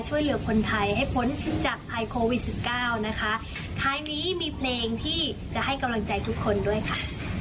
ช่วยเหลือคนไทยให้พ้นจากภัยโควิดสิบเก้านะคะท้ายนี้มีเพลงที่จะให้กำลังใจทุกคนด้วยค่ะ